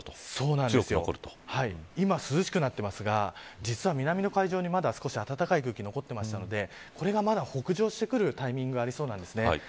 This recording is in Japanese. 今、涼しくなっていますが実は南の海上にまだ少し暖かい空気、残っていましたのでこれがまた北上してくるタイミングがありそうなんですね。